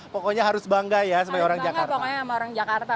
pokoknya harus bangga ya sama orang jakarta